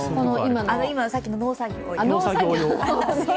さっきの農作業の。